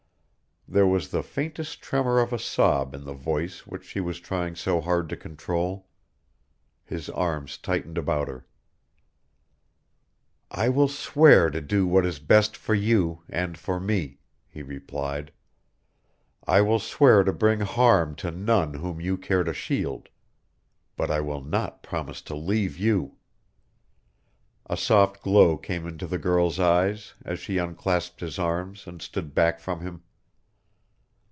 There was the faintest tremor of a sob in the voice which she was trying so hard to control. His arms tightened about her. "I will swear to do what is best for you and for me," he replied. "I will swear to bring harm to none whom you care to shield. But I will not promise to leave you!" A soft glow came into the girl's eyes as she unclasped his arms and stood back from him.